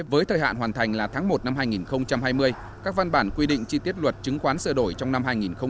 với thời hạn hoàn thành là tháng một năm hai nghìn hai mươi các văn bản quy định chi tiết luật chứng khoán sửa đổi trong năm hai nghìn hai mươi